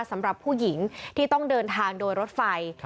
สำหรับผู้หญิงที่ต้องเดินทางโดยรถไฟ